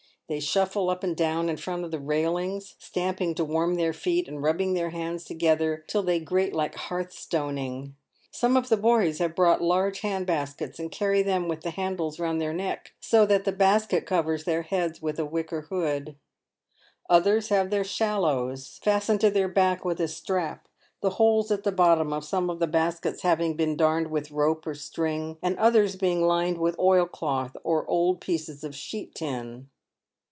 They shuffle up and down in front of the railings, stamping to warm their feet, and rub bing their hands together till they grate like hearth stoning. Some of the boys have brought large hand baskets, and carry them with the handles round their neck, so that the basket covers their head as with a wicker hood. Others have their " shallows " fastened to their back with a strap, the holes at the bottom of some of the baskets having been darned with rope or string, and others being lined with oilcloth or old pieces of sheet tin.